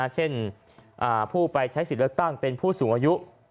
เช่นผู้ไปใช้สิทธิ์เลือกตั้งเป็นผู้สูงอายุ